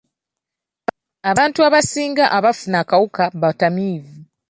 Abantu abasinga abaafuna akawuka batamiivu.